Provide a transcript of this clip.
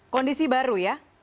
kondisi baru ya